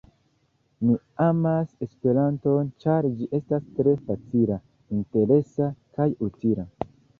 Mi amas Esperanton, ĉar ĝi estas tre facila, interesa kaj utila.